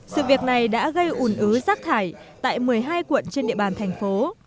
sự việc này đã gây ủn ứ rác thải tại một mươi hai quận trên địa bàn thành phố